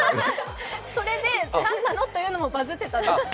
それで何なの？というのもバズってたんです。